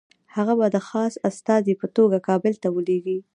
هغه به د خاص استازي په توګه کابل ته ولېږي.